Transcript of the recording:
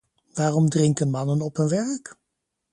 Waarom drinken mannen op hun werk?